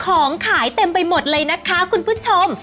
ของขายเต็มไปหมดเลยนะคะคุณผู้ชม